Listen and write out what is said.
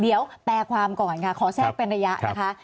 เดี๋ยวแปลความก่อนค่ะขอแทรกเป็นระยะนะคะ